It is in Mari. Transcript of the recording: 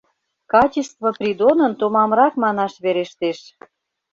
Качество Придонын томамрак манаш верештеш.